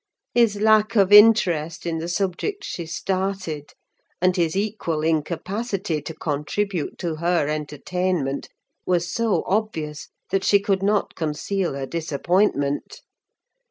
His lack of interest in the subjects she started, and his equal incapacity to contribute to her entertainment, were so obvious that she could not conceal her disappointment.